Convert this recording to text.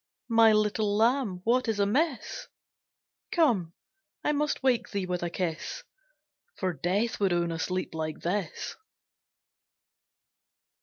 My little Lamb, what is amiss? Come, I must wake thee with a kiss, For Death would own a sleep like this.